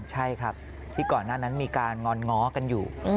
ใช่ครับที่ก่อนหน้านั้นมีการงอนง้อกันอยู่